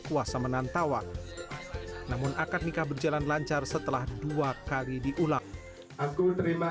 kuasa menantawa namun akad nikah berjalan lancar setelah dua kali diulang terima